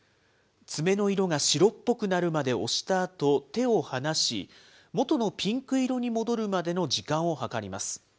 爪の色が白っぽくなるまで押したあと、手を離し、元のピンク色に戻るまでの時間を計ります。